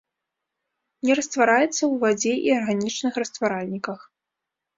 Не раствараецца ў вадзе і арганічных растваральніках.